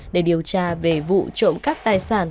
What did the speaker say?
để điều tra về vụ trộm cắp tài sản